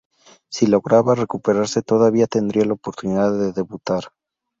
Si lograba recuperarse, todavía tendría la oportunidad de debutar.